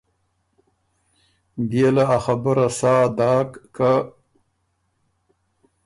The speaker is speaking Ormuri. بيې له ا خبُره سا داک که